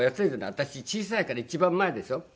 私小さいから一番前でしょ？